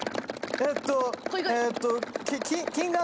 えっとえっと。